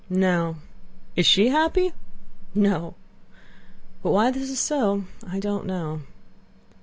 No! Is she happy? No! But why this is so I don't know..."